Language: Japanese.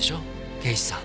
刑事さん。